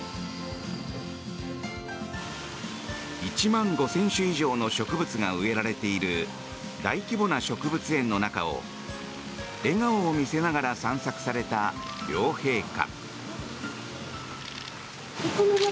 １万５０００種以上の植物が植えられている大規模な植物園の中を笑顔を見せながら散策された両陛下。